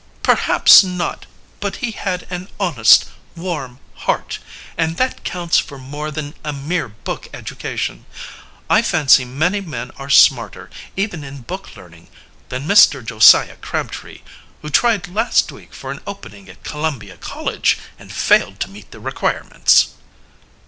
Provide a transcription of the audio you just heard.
"Perhaps not, but he had an honest, warm heart, and that counts for more than a mere book education. I fancy many men are smarter, even in book learning, than Mr. Josiah Crabtree; who tried last week for an opening at Columbia College and failed to meet the requirements."